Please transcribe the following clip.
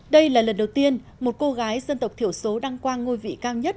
đây là lần đầu tiên một cô gái dân tộc thiểu số đăng quang ngôi vị cao nhất